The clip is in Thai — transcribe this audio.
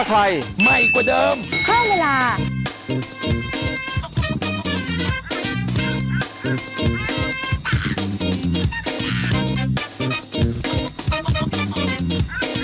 คุณแม่คุณแม่